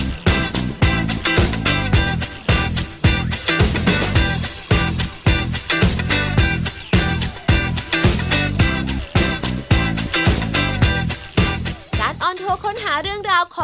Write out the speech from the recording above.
คนที่มาทานอย่างเงี้ยควรจะมาทานแบบคนเดียวนะครับ